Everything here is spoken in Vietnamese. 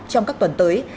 trong các tuần tới